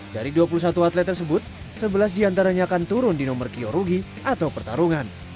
dari dua puluh satu atlet tersebut sebelas diantaranya akan turun di nomor kiorugi atau pertarungan